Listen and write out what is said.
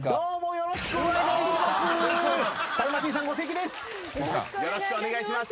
よろしくお願いします。